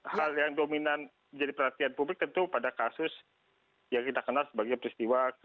hal yang dominan jadi perhatian publik tentu pada kasus yang kita kenal sebagai peristiwa kb lima puluh